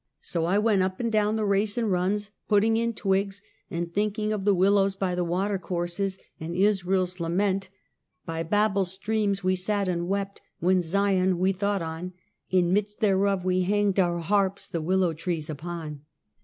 So I went up and down the race and runs, putting in twigs, and thinking of the "willows by the water courses," and Israel's lament: " By Babel's streams we sat and wept When Zion we thought on, In midst thereof we hanged our harps The willow trees upon."